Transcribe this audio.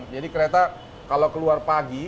jadi kereta kalau keluar pagi